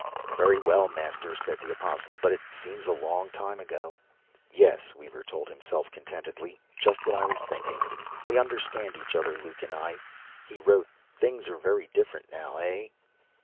"Very well, Master," said the apostle. "But it seems a long time ago." Yes, Weaver told Himself contentedly; just what I was thinking. We understand each other, Luke and I. He wrote, "Things are very different now, eh?"